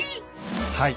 はい。